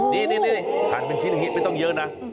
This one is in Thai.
นี่หั่นเป็นชิ้นอย่างนี้ไม่ต้องเยอะนะ